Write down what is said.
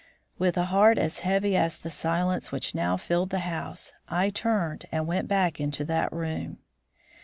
With a heart as heavy as the silence which now filled the house, I turned and went back into that room.